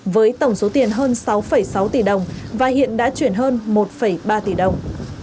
với tổng số tiền hơn sáu sáu tỷ đồng và hiện đã chuyển hơn một ba tỷ đồng